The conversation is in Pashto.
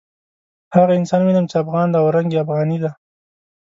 هغه انسان وینم چې افغان دی او رنګ یې افغاني دی.